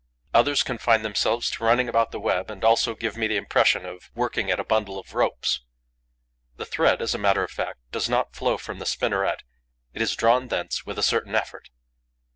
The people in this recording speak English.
Others confine themselves to running about the web and also give me the impression of working at a bundle of ropes. The thread, as a matter of fact, does not flow from the spinneret; it is drawn thence with a certain effort.